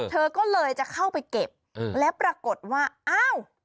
เธอก็เลยจะเข้าไปเก็บแล้วปรากฏว่าอ้าว